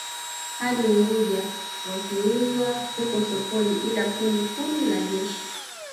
Hadi Unguja wakiuzwa huko sokoni ila kundi kundi la jeshi